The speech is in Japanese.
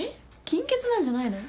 金欠なんじゃないの？